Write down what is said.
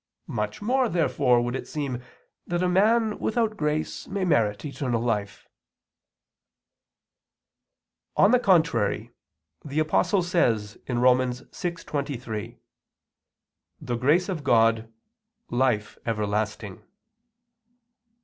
Much more, therefore, would it seem that a man without grace may merit eternal life. On the contrary, The Apostle says (Rom. 6:23): "The grace of God, life everlasting."